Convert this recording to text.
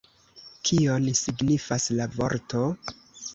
Kion signifas la vorto?